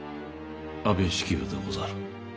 安部式部でござる。